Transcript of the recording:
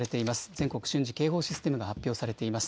全国瞬時警報システムが発表されています。